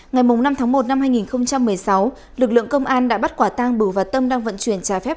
ngày năm tháng một năm hai nghìn một mươi sáu lực lượng công an đã bắt quả tang bửu và tâm đang vận chuyển trái phép